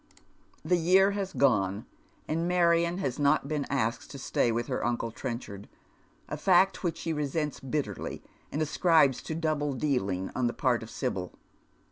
The year has gone, and Marion has not been asked to stay with her uncle Trenchard — a fact which she resents bitterly, and ancribes to double dealing on the part of Sibyl.